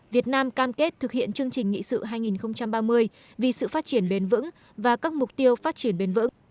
việt nam cam kết thực hiện chương trình nghị sự hai nghìn ba mươi vì sự phát triển bền vững và các mục tiêu phát triển bền vững